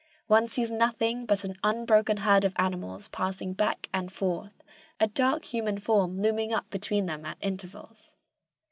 One sees nothing but an unbroken herd of animals passing back and forth, a dark human form looming up between them at intervals.